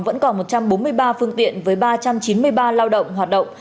vẫn còn một trăm bốn mươi ba phương tiện với ba trăm chín mươi ba lao động hoạt động